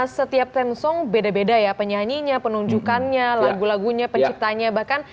setiap ten song beda beda ya penyanyinya penunjukannya lagu lagunya penciptanya bahkan